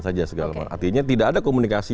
saja artinya tidak ada komunikasi